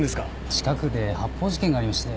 近くで発砲事件がありまして。